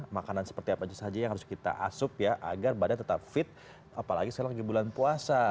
makanan seperti apa saja yang harus kita asup ya agar badan tetap fit apalagi sekarang di bulan puasa